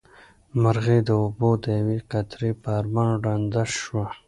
مرغۍ د اوبو د یوې قطرې په ارمان ړنده شوه.